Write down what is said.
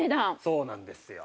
そうなんですよ。